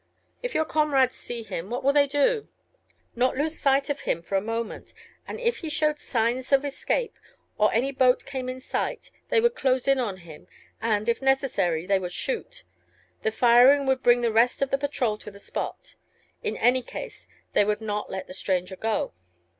"If your comrades see him, what would they do?" "Not lose sight of him for a moment, and if he showed signs of escape, or any boat came in sight, they would close in on him, and, if necessary, they would shoot: the firing would bring the rest of the patrol to the spot. In any case they would not let the stranger go."